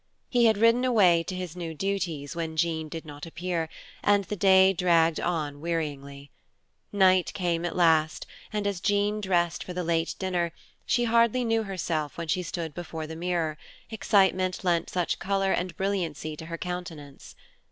He had ridden away to his new duties when Jean did not appear, and the day dragged on wearisomely. Night came at last, and as Jean dressed for the late dinner, she hardly knew herself when she stood before her mirror, excitement lent such color and brilliancy to her countenance.